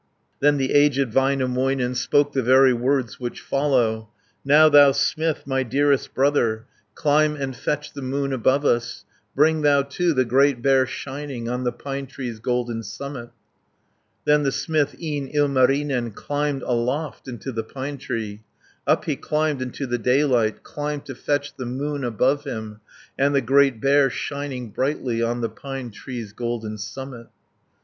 Then the aged Väinämöinen, Spoke the very words which follow: 140 "Now thou smith, my dearest brother, Climb and fetch the moon above us, Bring thou, too, the Great Bear shining On the pine tree's golden summit." Then the smith, e'en Ilmarinen, Climbed aloft into the pine tree, Up he climbed into the daylight, Climbed to fetch the moon above him, And the Great Bear, shining brightly, On the pine tree's golden summit.